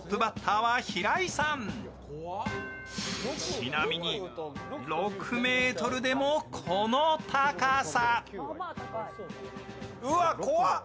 ちなみに６ｍでも、この高さ。